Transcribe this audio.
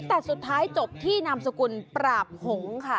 แต่สุดท้ายจบที่นามสกุลปราบหงษ์ค่ะ